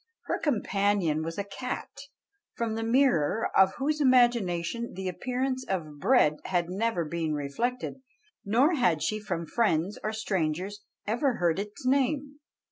Her companion was a cat, from the mirror of whose imagination the appearance of bread had never been reflected, nor had she from friends or strangers ever heard its name.